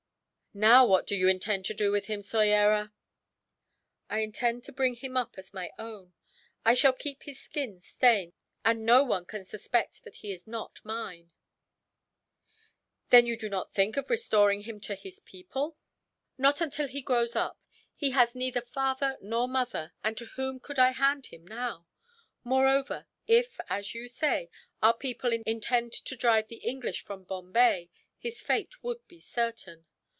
"Now, what do you intend to do with him, Soyera?" "I intend to bring him up as my own. I shall keep his skin stained, and no one can suspect that he is not mine." "Then you do not think of restoring him to his people?" "Not until he grows up. He has neither father nor mother, and to whom could I hand him, now? Moreover if, as you say, our people intend to drive the English from Bombay, his fate would be certain.